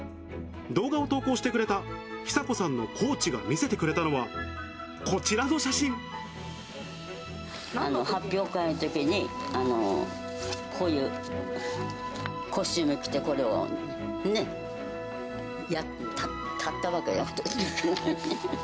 動画を投稿してくれたひさこさんのコーチが見せてくれたのは、発表会のときに、こういうコスチューム着て、これをね、立ったわけよ。